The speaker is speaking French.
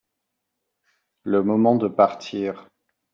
Le moment de partir.